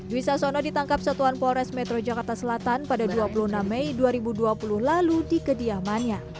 dwi sasono ditangkap satuan polres metro jakarta selatan pada dua puluh enam mei dua ribu dua puluh lalu di kediamannya